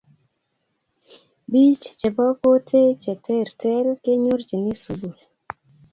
biich chebo kotee che terter kenyorchine sukul